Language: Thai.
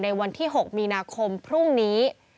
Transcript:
วันที่๖มีนาคมพรุ่งนี้